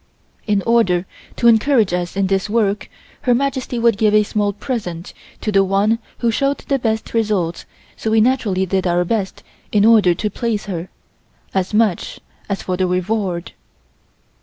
In order to encourage us in this work, Her Majesty would give a small present to the one who showed the best results so we naturally did our best in order to please her, as much as for the reward.